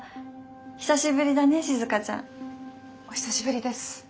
久しぶりだね静ちゃん。お久しぶりです。